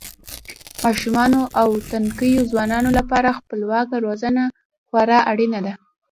ماشومانو او تنکیو ځوانانو لپاره خپلواکه روزنه خورا اړینه ده.